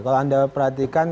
kalau anda perhatikan